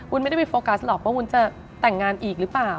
ไม่ได้ไปโฟกัสหรอกว่าวุ้นจะแต่งงานอีกหรือเปล่า